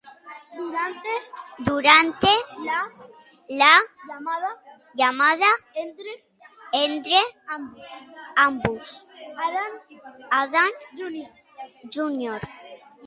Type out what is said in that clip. Durante la llamada entre ambos, Alan Jr.